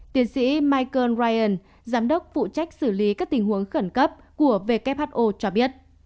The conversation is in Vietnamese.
tiến sĩ michael ryan giám đốc phụ trách xử lý các tình huống khẩn cấp của who cho biết